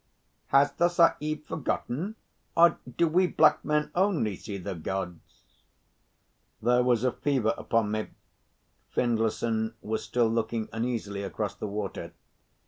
"Has the Sahib forgotten; or do we black men only see the Gods?" "There was a fever upon me." Findlayson was still looking uneasily across the water.